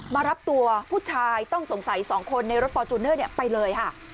มารับตัวผู้ชายต้องสงสัย๒คนในรถฟอร์จูเนอร์ไปเลยค่ะ